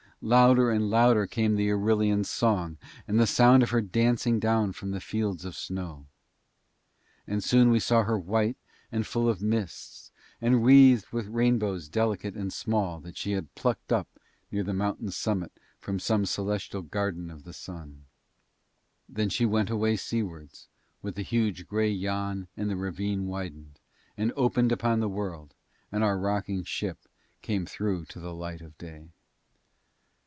Louder and louder came the Irillion's song, and the sound of her dancing down from the fields of snow. And soon we saw her white and full of mists, and wreathed with rainbows delicate and small that she had plucked up near the mountain's summit from some celestial garden of the Sun. Then she went away seawards with the huge grey Yann and the ravine widened, and opened upon the world, and our rocking ship came through to the light of day.